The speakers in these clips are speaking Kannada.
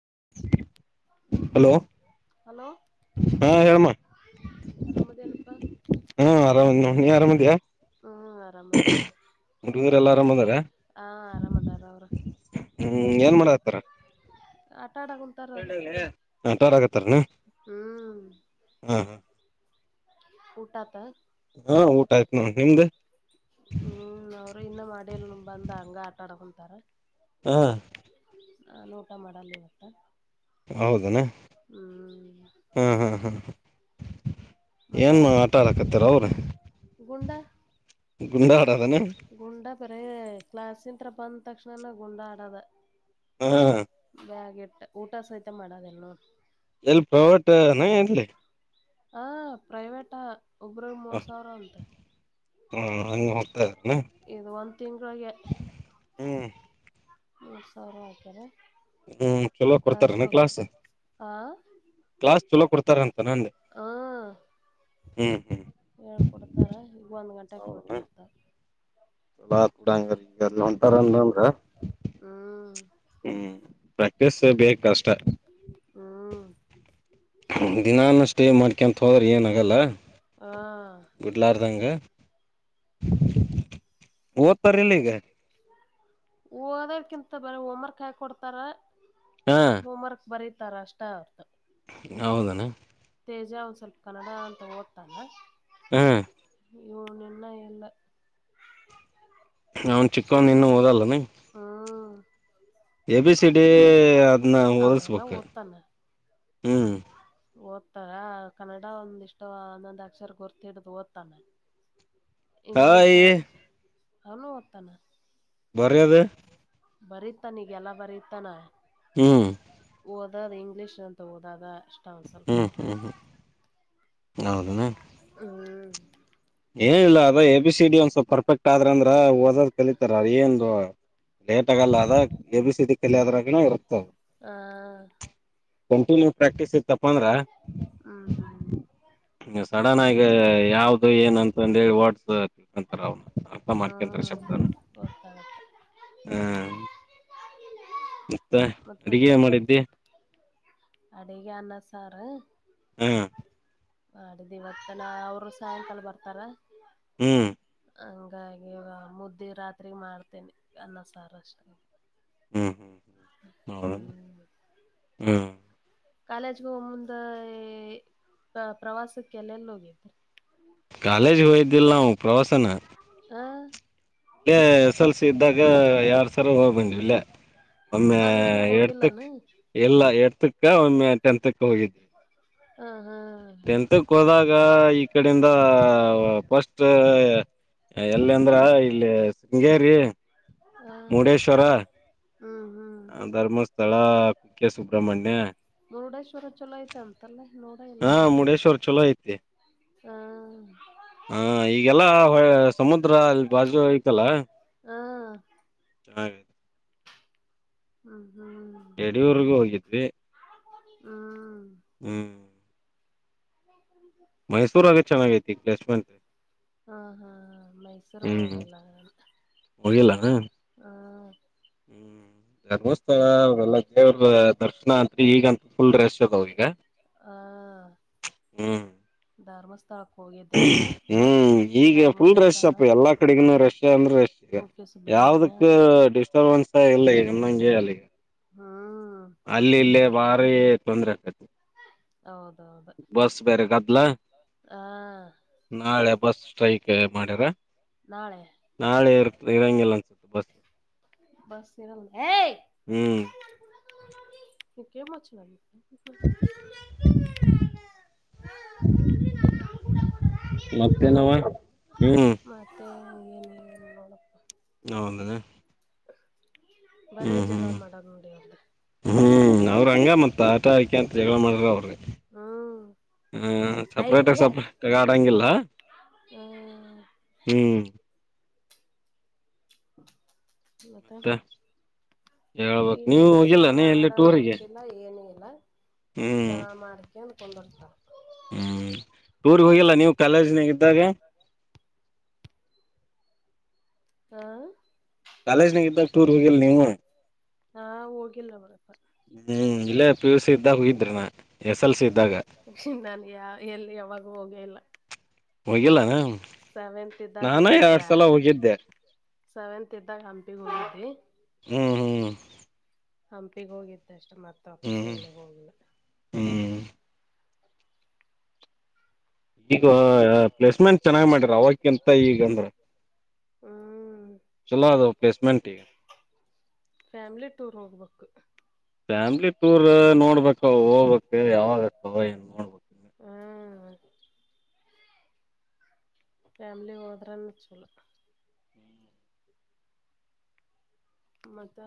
[inaudible] ಹಲೋ, ಹಲೋ ಹಾ ಹೇಳಮ್ಮ ಆರಾಮದೇನಪ್ಪಾ ಹಾ ಆರಾಮ ನೀ ಆರಾಮಿದಿಯ? ಹ್ಮ್ ಆರಾಮದೇನ ಹುಡುಗರೆಲ್ಲ ಆರಾಮದಾರ? ಹಾ ಆರಾಮದಾರ ಅವ್ರ ಹ್ಮ ಏನ್ ಮಾಡ ತ್ರರ [inaudible] ಅವ್ರ ಆಟಾರ ಆಗತ್ತಾರನಾ ಹ್ಮ್ ಹಾ ಹಾ ಊಟಾತ [unintelligible] ಹಾ ಊಟ ಆಯ್ತು ನ ನಿಮ್ದ? ಹ್ಮ್ ಅವರು ಇನ್ನ ಮಾಡಿಲ್ ಬಂದ ಹಂಗ ಆಟ ಆಡಂತ ತ್ತರ ಹಾ ಹಾ ಊಟ ಮಾಡಲ್ಲ ಇವತ್ತ [inaudible] ಹೌದನಾ ಹ್ಮ್ ಹ್ಮ ಹಾ್ ಹ್ಮ್ ಮತ್ತೆ ಏನ್ ಆಟ ಆಡಾಕತ್ತಾರ ಅವ್ರ ಗುಂಡ ಗುಂಡಾ ಆಡದ ಅನ ಬರ ಕ್ಲಾಾಸನ್ತ್ರ ಬಂದ ತಕ್ಷಣನ ಗುಂಡಾ ಆಡದ ಹ್ಮ್ ಊಟ ಸಹಿತ ಮಾಡೋದಲ್ ನೋ ಎಲ್ಲಿ ಪಟ ನ ಇಲಿ [unintelligible] ಹ ಪ್ರೈವಟಾ ಒಬ್ರಲ್ಲಿ ಮೂರು ಸಾವಿರ ಅಂತೆ ಹಾ ಹಾಂಗ ಹೋಗ್ತಾ ಇದಾರನ ಇದು ಒಂದ್ ತಿಂಗಗಳಿಗೆ ಹ್ಮ್ ಇ ಸರಕ [unintelligible] ಹ್ಮ್ ಕೆಲವ ಕೊಡ್ತಾರಣ ಕ್ಲಾಸ್ ಆ ಕ್ಲಾಸ್ ಚಲ ಕೊಡ್ತಾರ [inaudible] ತರಂತ ನಂದ ಹಿ. ಹೇಳ್ ಕೊಡ್ತಾರ ಈಗ ಒಂದ್ ಗಂಟೆಗೆ ಕೊಟ್ಟಬರ್ತಾರಾ. ಅಲ್ಲ ಕೂಡ ಅಂಗರ ಹಿಂಗೆಲ್ಲ ಅಂತಾರಲ್ಲ ಹ್ಮ್ ಅವ್ರು. ಹ್ಮ್ ಹ್ಮ್. ಪ್ರಾಕ್ಟೀಸ್ ಬೇಕ ಕಷ್ಟ ಹ್ಮ್ ದಿನಾನ ಸ್ಟೇ ಮಾಡ್ಕೊಂತ ಹೋದ್ರೆ ಏನಗಲ್ಲ ಹಾ ಬಿಡ್ಲಾರ್ದಂಗೆ. ಓದ್ತರಿಲ್ಲ ಈಗ. ಹೋದರ್ಕಿಂತ ಬರೆ ಹೋಂವರ್ಕ್ ಹಾಕ್ ಕೊಡ್ತಾರ. ಹಾ ಹೋಂವರ್ಕ್ ಬರೆದ್ ತರಾ ಅಷ್ಟ ಅವರ್ದು. ಹೌದನ್. ತೇಜ ಒಂದ್ ಸ್ವಲ್ಪ ಕನ್ನಡ ಅಂತ ಓದತಾನ. ಹ ಇವ್ನು ಇನ್ನ ಇಲ್ಲ ಅವನ್ ಚಿಕ್ಕನ್ ಚೂರು ಇನ್ನು ಒಂದು ಓದಲ್ಲ ಏನು ಹ್ಮ್ ಎ ಬಿ ಸಿ ಡಿ ಅದನ್ನ ಅವೆಲ್ಲ ಹೊದಸ್ಬೇಕ. ಓದ್ತಾನ ಹ್ಮ್. ಓದ್ತಾರ ಕನ್ನಡ ಒಂದಿಷ್ಟ ಒಂದೊಂದ್ ಅಕ್ಷರ ಗೊರ್ತಿಡ್ದು ಓದ್ತಾನ-. ಇಂಗ್ಲೀಷ. ಹಾಯಿ ಅಲಒತಾನ ಬರೆಯದ ಬರೀತಾನ ಈಗಲ್ಲಾ ಬರತ್ತಾನ. ಹ್ಮ್ ಓದದ ಇಂಗ್ಲೀಷ್ ಅಂತ ಓದದ ಇಷ್ಟ ಒಂದು ಸ್ವಲ್ಪ ಹೌಧೇನ [inaudible] ಏನಿಲ್ಲ ಅದ ಎ ಬಿ ಸಿ ಡಿ ಒಂದ್ ಸ್ವಲ್ ಪರ್ಫೆಕ್ಟ್ ಆದ್ರ ಅಂದ್ರ ಓದದ್ ಕಲಿತಾರ ಏನು ಡೇಟ್ ಆಗಲ್ಲ ಅದ ಎ ಬಿ ಸಿ ಡಿ ಕಲಿಯದ್ರಾಗ ಇರ್ತವು ಹ ಕಂಟಿನ್ಯೂ ಪ್ರಾಕ್ಟಿಸ್ ತಪ್ಪಂದ್ರ ಹ್ಮ್ ಹ್ಮ್ ಸಡನ್ ಆಗ ಯಾವ್ದ [unintelligible] ಇದು ಏನಂತ ಅಂದೇಳಿ ವಾಟ್ಸ ಅಂತರ ಅವನು ಅಪ ಹಾ ಮಾಡ್ಕೊಂತಾರೆ ಶಬ್ದ ಗೊತ್ತಾಗತ್ತೆ ಹ್ಮ ಮತ್ತೆ ಅಡಿಗೆ ಏನ್ ಮಾಡಿದ್ದಿ. ಅಡಿಗೆನ್ನ ಸಾರ ಹ್ಮ್ ಮಾಡಡಿದ್ದು ಇವತ್ತ ನ ಅವರು ಸಾಯಂಕಾಲ ಬರ್ತಾರ ಹ್ಮ್ ಹಂಗಾಗಿಗ ಮುದ್ದಿ ರಾತ್ರಿಗೆ ಮಾಡ್ತೇನೆಿ ಅನ್ನ ಸಾರಷ್ಟ ಹ್ಮ್ಮ್ ಹ್ಮ್ ಕಾಲೇಜ್ಗ ಹೋಗ ಮುಂದ ಪ್ರವಾಸಕ್ಕೆ ಎಲ್ಲೆಲ್ಲ ಹೋಗತ್ರಿ ಕಾಲೇಜ್ ಹೋಯ್ದಿಲ್ಲ ನಾವು ಪ್ರವಾಸನ ಹಾ ಇೇ ಎಸ್ ಎಲ್ಸ ಇದ್ದಾಗ ಯಾವ ರ ಹೋಗ್ಬಂದ್ ಇಲ್ಲ ಒಮ್ಮೆ ಕಾಲೇಜ್ನಾಗ ಎಡ್ತಕ್ ಹೋಗಿಲ್ಲಾನ ಎಲ್ಲ ಎಡ್ತಕ್ ಅ ಒಮ್ಮೆ ಟೆಂತ್ಕ್ ಹೋಗಿದ್ವಿ ಹ್ಮ ಹ್ಮ್ ಈಗ ಈ ಕಡಿಂದ ಫಸ್ಟ್ ಎಲ್ಲಿ ಅಂದ್ರ ಅಲ್ಲಿ ಶೃಂಗೇರಿ ಮುರುಡೇಶ್ವರ ಹ್ಮ ಧರ್ಮಸ್ಥಳ ಕುಕ್ಕೆ ಸುಬ್ರಹ್ಮಣ್ಯ ಮುರುಡೇಶ್ವರ ಚಲೋ ಐತೆ ಅಂತಲ್ಲೇ ಹಾ ಮುಡೇಶ್ವರ್ ಚಲೋ ಐತಿ ಹಾ ಹಾ ಈಗೆಲ್ಲ ಸಮುದ್ರ ಅಲ್ಲಿ ಬಾಜು ಐತಲ್ಲಾ. ಹಾ ಹ ಹ್ಮ್ ಹ್ಮ್ ಯಡಿಯೂರ್ಗೂ ಹೋಗಿತ ದೇ ಹ್ಮ್ ಮೈಸೂರಾಗ ಚೆನ್ನಾಗೈತಿ ಪ್ಲೇಸ್ಮೆಂಟ್ ಹಾ ಹಾ ಮೈಸೂರ್ಗ್ ಹ್ಮ್ ಹೋಗಿಲ್ಲ ನಾನು ಹೋಗಿಲ್ಲ ಏನು ಹ್ಮ್ ಧರ್ಮಸ್ಥಳ ಹ್ಮ ಅವಲ್ಲ ದೇವ್ರ ದರ್ಶನ ಅಂತು ಈಗಂತ ಫುಲ್ ರಶ್ ಅದಾವ ಈಗ ಆ ಹ್ಮ್ ದರಮಸ್ಥಳ. ಹ್ಮ್ ಈಗ ಫುಲ್ ರಶ್ ಧರ್ಮಸ್ಥಳ ಅಪ್ ಎಲ್ಲಾ ಕಡೆಗನುೂ ರಶ್ ಅಂದ್ರೆ ರೆಶ್ ಈಗ ಕುಕ್ಕೆ ಸುಬ್ರಹ್ಮಣ್ಯ ಯಾವದಕ್ ಡಿಸ್ಟರ್ಬನ್ಸ್ಸ ಇಲ್ಲಗ ಹೇಳಲ್ಲಿ. ಹ್ಮ್ ಬಾರಿ ತೊಂದ್ರರೆ ಆಕತ. ಹೌದೌದು [unintelligible] ಹಾ ನಾಳೆ ಬಸ್ ಸ್ಟ್ರೈಕ್ ಮಾಡ್ಯಾರ ನಾಳೆ ನಾಳೆ ಈರಂಗಿಲ್ಲಾ ಅನ್ಸುತ್ತೆ ಬಸ್ ಬಸರಲ್ಲ ಯ ಹ್ಮ್ ಕ [unintelligible] ಹಲೋ ಮತ್ತೆನವ ಹ್ಮ್ ಮತ್ತೆ ಏನು ನೋಡಪ್ಪ ಹೌದದ ಬರೇ ಜಗಳ ಮಾಡದು್ ನೋಡಿ ಅವ್ರ್ರ. ಹ್ಮ್ ಅವ್ರ ಹಂಗ ಮ ಮತ್ತು ಆಟ ಆಯಕೆ ಅಂತ ಜಗಳ ಮಾಡ್ರ ಅವ್ರಿ ಹ್ಮ್ ಹ್ಮ್ ಅಯ್ ಸಪ್ರೇಟ್ ಆಗ ಹೋಗ ಸಪ್ರೇಟ್ ಆಗ ಆಡಂಗಿಲ್ಲ ಹ್ಮ್ ಹ್ಮ್ [unintelligible] [inaudible] ಮತ್ತ. ಮತ್ತೆ ಹೇಳ್ಬಕ್ ನೀವು ಏನ ಹೋಗಿಲ್ಲಾನ ಸುಮ್ನೆ ಎಲ್ಲಿ ಆಡೋದ್ ಟೂರಿಗೆ ಗೊತ್ತಿಲ್ಲ ಏನ [unintelligible] ಹ್ಮ್ ಜವಾ ಮಾರಕಂಡು [unintelligible] [unintelligible] ಹ್ಮ್ ಟೂರ್ಗ್ ಹೋಗಲ್ಲ ನೀವು ಕಾಲೇಜಿನಾಗ ಇದ್ದಾಗ. ಹಾ ಕಾಲೇಜ್ನಾಗ ಇದ್ದಾಗ ಟೂರ್ ಹೋಗಿಿಲ್ಲ ನೀವು ಹಾ ಹೋಗಿಲ್ಲ ಮರಪ್ಪ ಹ್ಮ್ ಇಲ್ಲೇ ಪ್ಯೂಸ್ ನಾನ ಯ ಎಲ್ಲಿ ಯಾವಾಗೂ ಹೋಗ ಇಲ್ಲ ಹೋಗಿಲ್ಲೇನ. ಸೆವೆಂತ್ ಇದ್ದಾಗ ಹೋಗಿದ್ದೆ ಹೋಗಿದ್ದೆ ಸೆವೆಂತ್ ಇದ್ದಾಗ ಹಂಪಿಿಗೆ ಹೋಗಿದಿ ಹ್ಮ್ ಹಂಪಿಿಗೆ ಹೋಗಿದ್ದ ಅಷ್ಟ. ಅ ಮತ್ತ ಅಪ ಸ ಹ್ಮ್ ಹ್ಮ್ ಎಲೆ ಹೋಗ್ಿಲ್ಲ ಹ್ಮ್ ಈಗ ಹ ಅಂದ್ರ ಹ್ಮ್ ಚಲೋ ಅದ ಪ್ಲೇಸ್ಮೆಂಟ್ ಈಗ ಫ್ಯಾಮಿಲಿ ಟೂರ್ ಹೋಗ್ಬೇಕು. ಫ್ಯಾಮಿಲಿ ಟೂರ್ ನೋಡ್ಬೇಕ್ ಹೋಗ್ಬೇಕು ಯಾವಾಗ ಆತವ ಏನ್ ನೋಡ್ಬೇಕು. ಹ್ಮ್ ಫ್ಯಾಮಿಲಿ ಹೋದ್ರೆನ್ನ ಚಲೋ ಮತ್ತ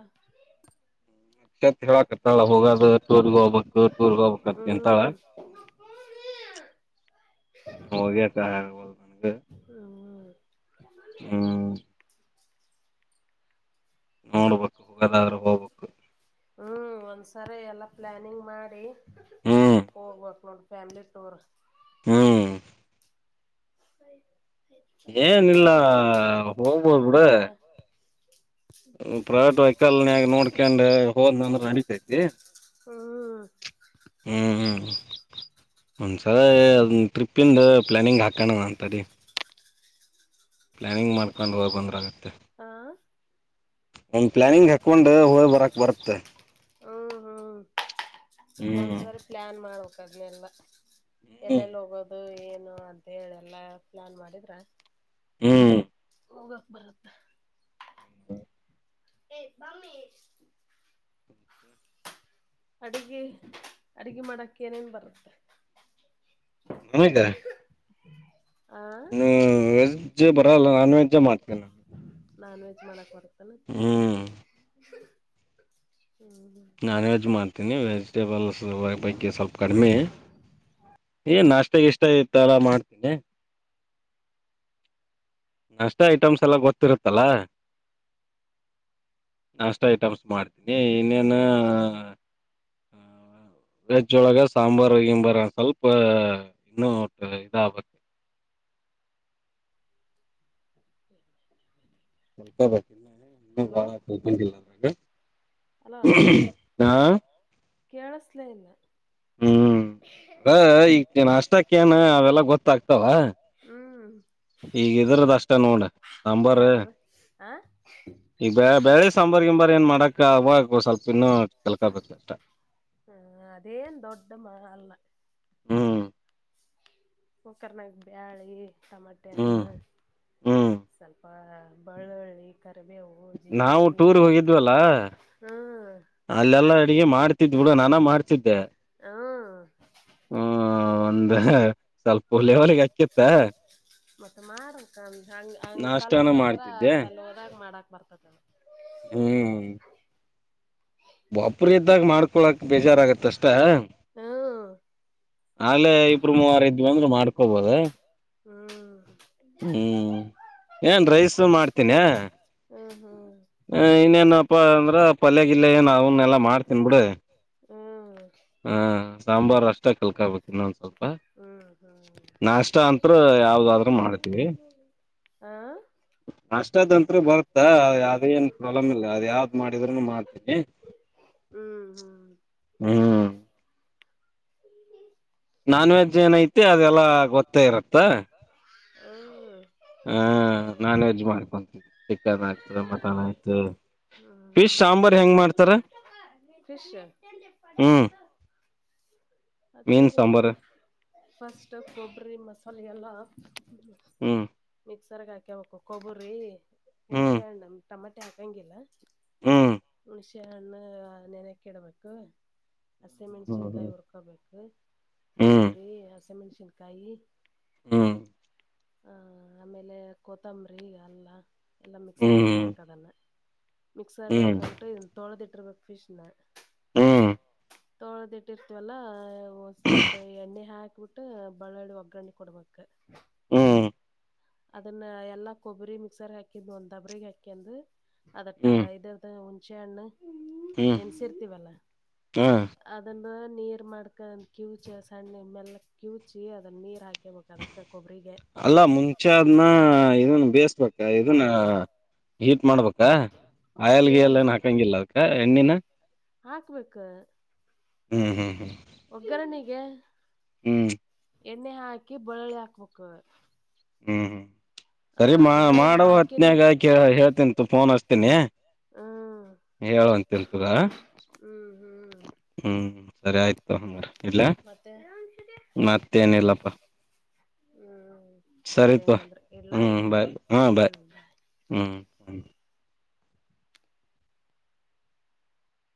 ಕ್ಷತ್ ಹೇಳಕತಾಳ ಹೋಗದು ಟೂರ್ಗ ಹೋಗಬಕು ಟೂರ್ಗ ಹೋಗ್ಬತ್ನ್ ಅಂತ ಹ್ಮ್ ಹೋಗ್ಯಕ [unintelligible] [inaudible] ಹ್ಮ್ ನೋಡ್ಬೇಕ್ ಎಲ್ಲಾದ್ರೂ ಹೋಗ್ಬೇಕು. ಹ್ಮ್ ಒಂದ್ಸರಿ ಎಲ್ಲ ಪ್ಲಾನಿಂಗ್ ಮಾಡಿ ಹ್ಮ್ ಹೋಗ್ಬೇಕು ನೋಡಿ ಫ್ಯಾಮಿಲಿ ಟೂರ್. ಹ್ಮ್ [inaudible] ಏನಿಲ್ಲ ನ ಹೋಗ್ಬೋದ್ ಬಿಡೆ. ಮತ್ತ ನೋಡ್ಕೊಂಡ್ ಹೋದ್ನಂದ್ರ ನಡಿತೈತಿ ಹ್ಮ್ ಒಂದ್ಸಲಾ ಅದ್ನ್ ಟ್ರಿಪ್ಪಿಂದ ಪ್ಲ್ಯಾನಿಂಗ್ ಹಾಕಣ ಅಂತದಿ ಪ್ಲಾನಿಂಗ್ ಮತ್ತ ಮಾಡ್ಕೊಂಡು ಹೋಗ್ ಬಂದ್ರಾಗುತ್ತೆ. ಹ ಹೆಂಗ್ ಪ್ಲ್ಯಾನಿಂಗ್ ಹಾಕ್ಕೊಂಡು ಹೋಯ್ ಬರಕ್ ಬರುತ್ತೆ. ಹ್ಮ್ ಹ್ಮ್ ಹ್ಮ್ ಒಂದ್ಸರಿ ಪ್ಲಾನ್ ಮಾಡು. ಹಗ್ಲೆಲ್ಲ. ಎಲ್ಲೆಲ್ ಹೋಗೋದ್ ದೇ ಏನು ಅಂತ್ ಹೇಳ್ ಎಲ್ಲಾ ಪ್ಲಾನ್ ಮಾಡಿದ್ರ. ಹ್ಮ್ ಹೋಗಕ್ ಬರುತ್ತೆ. ಎ ಪಮ್ಮಿ ಅಡಿಗೆ ಅಡಿಗಿ ಮಾಡಕ್ ಏನೇನ್ ಬರುತ್ತೆ? ನಮ್ದ ಆ ಹ್ಮ್ ವೆಜ್ ಬರಲ್ಲ ನಾನ್ ವೆಜ್ಜೇ ಮಾಡ್ತೀನ್ ನಾನ್ವೆಜ್ ಮಾಡಕ್ ಬರು ಹ್ಮ್ [inaudible] ನಾನ್ವೆಜ್ ಮಾಡ್ ತಿನ್ನದ್ ಯಾ [unintelligible] ಪೈಕಿ ಸ್ವಲ್ಪ ಕಡಿಮೆ ಏನ್ ನಾಷ್ [unintelligible] ಎಷ್ಟ ಇತಲ್ಲ ಮಾಡ್ತೀದಿದ್ದ. ಅಷ್ಟ ಐಟಮ್ಸ್ ಎಲ್ಲ ಗೊತ್ತಿರತ್ತಲ್ಲ ಅಷ್ಟ ಐಟಮ್ಸ್ ಮಾಡ್ತೀನಿ ಇನ್ನೇನು ವೆಜ್ ಒಳಗೆ ಸಾಂಬಾರು ಗಿಂಬರ ಸ್ವಲ್ಪ ಇನ್ನುೂ ಅಟ ಇದಾಗಬೇಕ. [inaudible] ಹಲೋ [unintelligible] ಹಲೋ [unintelligible] ಹಾ. ಕೇಳಸ್ಲೇ ಇಲ್ಲ. ಹ್ಮ್ ಅದ ಈ. ಈಗ ನಾಸ್ಟಕ ಏನ ಅವೆಲ್ಲ ಗೊತ್ತ. ಆಗ್ತಾವ. ಹ್ಮ್ ಈಗ ಇದ್ರದ ಅಷ್ಟ ನೋಡ ಸಾಂಬಾರ ಯಾವ್ದಾರ ಆ ಈಗ ಬ್ಯಾ ಬ್ಯಾಳಿ ಸಾಂಬಾರ ಗಿಂಬಾರ ಏನ ಮಾಡಾಕ ಆವಕ ಸ್ವಲ್ಪ ಇನ್ನುೂ ಕಲ್ಕಬೇಕ ಅಷ್ಟ. ಅದೇನ್ ದೊಡ್ಡ ಮಾ ಅಲ್ಲ ಹ್ಮ್. ಕುಕ್ಕರನ್ಯಾಗ ಬ್ಯಾಳಿ. ಟಮ್ಯಟೆ ಹ್ಮ್ ಹಣ್ಣು ಹ್ಮ್ ಸ್ವಲ್ಪ. ಬಳ್ಳೊಳ್ಳಿ. ನಾವು ಟೂರ್ ಹೋಗಿದ್ವಲ್ಲ ಹ್ಮ್ ಅಲ್ಲೆಲ್ಲಾ ಅಡಗೆ ಮಾಡ್ತಿದ್ವಿ ಬಿಡು ನಾನ ಮಾಡ್ತಿದ್ದೆ ಹ್ಮ್ ಹ್ಮ. [unintelligible] ಸ್ವಲ್ಪ [unintelligible] ಅಕ್ಕಿತ್ತ ಮತ್ತೆ ಮಾಡಕ್ಕ ಹಂಗ ಹಂಗ ನಾಷ್ಟಾನ ಕಲ್ಲತ್ರ ಅಂದ್ರ ಮಾಡ್ತಿದ್ದೆ ಅಂತಲ್ ಹೋದಾಗ ಮಾಡಕ್ ಬತ್ತದೆ ಹ್ಮ್ ಒಬ್ರೆ ಇದ್ದಾಗ್ ಮಾಡ್ಕೊಳಕ್ ಬೇಜಾರಾಗುತ್ ಅಷ್ ಹಂ ಹ್ಮ್ ಆಲೆ ಇಬ್ರು ಮೂವರೈದ್ವು ಅಂದ್ರೆ ಮಾಡ್ಕೊಬೋದು. ಹ್ಮ್ ಹ್ಮ್ ಏನ್ ರೈಸು ಮಾಡ್ತೀನೇ ಹ್ಮ್ ಹ್ಮ ಹ ಇನ್ನೇನಪ್ಪಾ ಅಂದ್ರ ಪಲ್ಲೆಗಿಲ್ಲೇ ಏನೋ ಅವನ್ನೆಲ್ಲಾ ಮಾಡ್ತಿನ್ ಬಿಡಿ. ಹ್ಮ್ ಹಾ ಸಾಂಬಾರು ಅಷ್ ಟೆ ಕಲ್ಕಬೇಕು ಇನ್ನೊಂದ್ ಸ್ವಲ್ಪ ಹ್ಮ್ ನಾಷ್ಟ ಅನ್ ತ್ರು ಹ್ಮ್ ಯಾವ್ದಾದ್ರೂ ಮಾಡ್ತೀವಿ ಆ ನಾಷ್ಟದಂತ್ರು ಬರುತ್ತಾ ಯಾವ್ದೇ ಏನ್ ಪ್ರಾಬ್ಲಮ್ ಇಲ್ಲ ಅದ್ ಯಾವ್ದ್ ಮಾಡಿದ್ರೂನು ಮಾಡ್ತೀನಿ ಹ್ಮ್ ಹ್ಮ್ ಹ್ಮ್. ಹ್ಮ ನಾನ್ ವೆಜ್ ಏನೈತೆ ಅದೆಲ್ಲ ಗೊತ್ತೇ ಇರತ್ತೆ. ಹ್ಮ್ ಹಾ ನಾನ್ ವೆಜ್ ಮಾಡ್ಕೊಂತೀವಿ ಚಿಕನ್ ಆಯ್ತು ಮಟನ್ ಆಯ್ತು ಫಿಶ್ ಸಾಂಬಾರ್ ಹೆಂಗ ಮಾಡ್ತಾರ. ಫಿಷ್. ಹ್ಮ್ ಮೀನ್ ಅದೇನ ಸಾಂಬಾರ್ ಇಲ್ಲ. ಫಸ್ಟ್ ಕೊಬ್ಬರಿ ಮಸಾಲಿ ಎಲ್ಲಾ. ಹ್ಮ. ಮಿಕ್ಸರ್ ಹಾಕೇಬೇಕು ಕೊಬ್ಬರಿ. ಹ್ಮ್ ಹುಣಸೆ ಹಣ್ಣ. ಟಮಾಟೆ ಹಾಕಂಗಿಲ್ಲ. ಹ್ಮ್ ಹುಣಸಿ. ಹುಣಸೇ ಹಣ್ಣ ನೆನಾಕಿ ಇಡಬೇಕು. ಹಸಿಮೆಣಸಿನಕಾಯಿ ಹ್ಮ್ ಹುರಕೊಬೇಕ. [unintelligible] ಹ್ಮ್ ಕೊಬ್ಬರಿ ಹಸಿಮೆಣಸಿನ. ಕಾಯಿ. ಹಮ್. ಹಾ ಆಮೇಲೆ ಕೊತ್ತಂಬರಿ ಅಲ್ಲ. ಎಲ್ಲಾ ಮಿಕ್ಸರ್ಗ ಹ್ಮ್ ಹಾಕ್ಬೇಕ ಅದನ. ಹ್ಮ್ ಮಿಕ್ಸರ್ಗ ಹ್ಮ್ ಹಾಕೊಂಡಬಿಟ್ಟು ಇದ. ತೊಳದ ಇಟ್ಟಿರಬೇಕ ಫಿಶ್ನ. ಹ್ಮ್. ತೊಳದಿಟಿರ್ತವಲ್ಲ. ಒಂದ ಸ್ವಲ್ಪ ಎಣ್ಣಿ ಹಾಕಿ. ಹಾಕ್ಬಿಟ್ಟು ಬಳ್ಳಳ್ಳಿ ಒಗ್ಗರಣಿ ಕೊಡ್ಬೇಕ. ಹ್ಮ್. ಅದನ್ನ ಎಲ್ಲಾ ಕೊಬ್ಬರಿ ಮಿಕ್ಸರ್ ಹಾಕಿದ ಒಂದ ದಬ್ರೀಗ ಹಾಕೆಂದು ಅದಟ ಹ್ಮ್ ಇದರದ ಹುಣಸೇ ಹಣ್ಣು. ಹ್ಮ್ ನೇನ್ಸಿರ್ತೀವಲ್ಲ ಹ ಅದನ್ನ. ಅದ ನೀರ ಮಾಡ್ಕನಂದ ಕ್ಯೂಚಿ ಸಣ್ಣ ಮೆಲ್ಲಕ ಕ್ಯೂಚಿ ಅದನ್ನ ನೀರ ಹಾಕಬೇಕ ಅದಕ್ಕ. ಕೊಬ್ಬರಿಗೆ. ಅಲ್ಲ ಮುಂಚೆ ಅದನ್ನ ಇದನ್ನ ಬೇಯಿಸಬೇಕ ಇದನ್ನ ಹೀಟ್ ಮಾಡ್ಬೇಕ. ಕ ಆಯಿಲ್ ಗಿಯಿಲ ಏನ್ ಹಾಕಂಗಿಲ್ಲ ಅದಕ್ಕ. [unintelligible] ಎಣ್ಣಿನ. ಹಾಕ್ಬೇಕ ಹ್ಮ್ ಹ್ಮ್ ಹ್ಮ್ ಒಗ್ಗರಣಿಗ. ಗೆ. ಹ್ಮ್. ಎಣ್ಣೆ ಹಾಕಿ ಬಳ್ಳಳ್ಳಿ ಹಾಕ್ಬೇಕ. ಹ್ಮ್ ಹ್ಮ. ಸರಿ ಮಾ ಮಾ ಮಾಡು ಹಾಕಿನ್ ಹೊತ್ತನ್ಯಾಗ ಕೇಳ ಹೇಳ್ತೀನ ತೊಗೊ ಫೋನ್ ಹಚ್ತೀನಿ. ಹಾ ಹೇಳುವಂತಿ ಅಂತ ತೊಗೊ. ಹ್ಮ್ ಹ್ಮ್. ಹ್ಮ್ ಸರಿ ಆಯ್ತು ಅ್ರ ಇಲ್ಲ ಮತ್ತೆ ಮತ್ತೇನಿಲ್ಲಪ್ಪಾ ಹ್ಮ್ ಸರಿ ಸರಿತ್ವಾ ಹಂಗಂದ್ರ ಇಡ್ಲಾ ಹ್ಮ್ ಬಾಯ್ ಹಾ ಬಾಯ್ ಹ್ಮ್ ಹ್ಮ್ ಹ